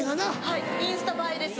はいインスタ映えです。